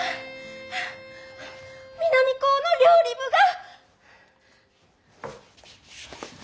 南高の料理部が！